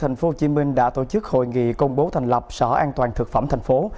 thành phố hồ chí minh đã tổ chức hội nghị công bố thành lập sở an toàn thực phẩm thành phố